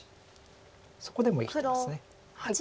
そこでも生きてます。